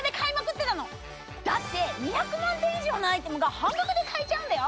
だって２００万点以上のアイテムが半額で買えちゃうんだよ！